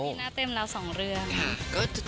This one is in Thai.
ปีหน้าเต็มแล้วสองเรื่อง